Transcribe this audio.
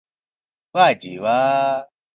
واہ جی واہ